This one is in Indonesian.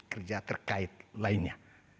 kerja terkait lainnya